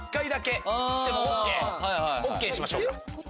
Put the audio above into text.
ＯＫにしましょうか。